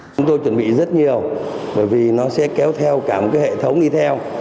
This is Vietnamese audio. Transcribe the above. chúng tôi chuẩn bị rất nhiều bởi vì nó sẽ kéo theo cả một hệ thống đi theo